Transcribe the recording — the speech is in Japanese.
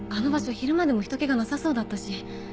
昼間でも人けがなさそうだったし。